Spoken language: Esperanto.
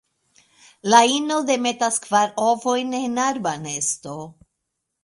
La ino demetas kvar ovojn en arba nesto.